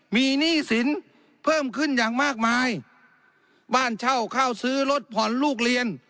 มีหนี้สินเพิ่มขึ้นอย่างมากมายบ้านเช่าข้าวซื้อรถผ่อนลูกเรียน